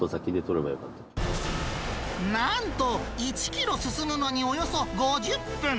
なんと、１キロ進むのにおよそ５０分。